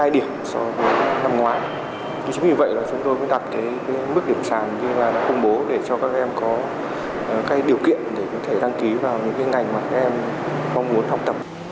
để đăng ký vào những ngành mà các em mong muốn học tập